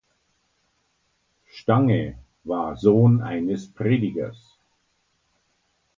Stange war Sohn eines Predigers.